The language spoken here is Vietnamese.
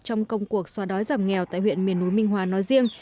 trong công cuộc xóa đói giảm nghèo tại huyện miền núi minh hóa nói riêng